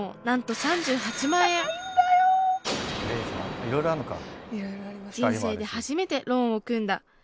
なんと３８万円人生で初めてローンを組んだ。